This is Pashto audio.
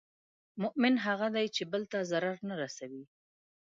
مؤمن هغه دی چې بل ته ضرر نه رسوي.